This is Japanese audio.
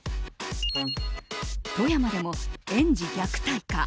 富山でも園児虐待か。